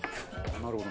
なるほど。